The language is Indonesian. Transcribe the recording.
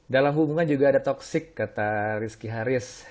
dalam hubungan juga ada toksik kata rizky haris